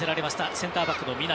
センターバックの南。